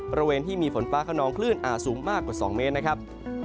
บริเวณที่มีฝนฟ้าขนองคลื่นอาจสูงมากกว่า๒เมตรนะครับ